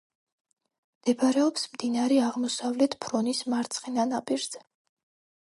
მდებარეობს მდინარე აღმოსავლეთ ფრონის მარცხენა ნაპირზე.